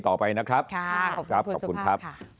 ต่อไปนะครับครับขอบคุณครับ